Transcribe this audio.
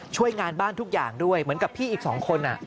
ช่วยงานบ้านทุกอย่างด้วยเหมือนกับพี่อีก๒คน